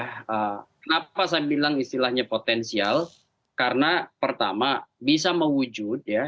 kenapa saya bilang istilahnya potensial karena pertama bisa mewujud ya